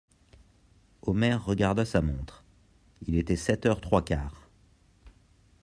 Omer regarda sa montre: il était sept heures trois quarts.